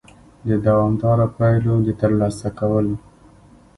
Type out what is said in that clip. د دوامدارو پایلو د ترلاسه کولو